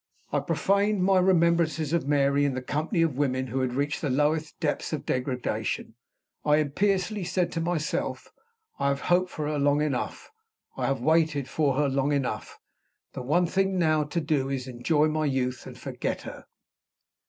I profaned my remembrances of Mary in the company of women who had reached the lowest depths of degradation. I impiously said to myself: "I have hoped for her long enough; I have waited for her long enough. The one thing now to do is to enjoy my youth and to forget her."